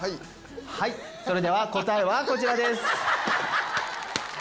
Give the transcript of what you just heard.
それでは答えはこちらです。